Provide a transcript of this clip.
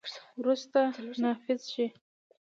وروسته، نافذ شي.